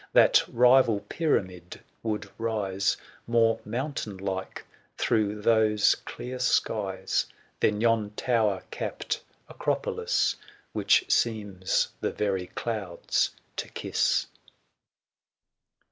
That rival pyramid would rise More mountain like, through those clear skies. Than yon tower capt Acropolis Which seems the very clouds to kiss.